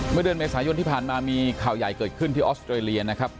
เมื่อเดือนเมษายนที่ผ่านมามีข่าวใหญ่เกิดขึ้นที่ออสเตรเลียนะครับ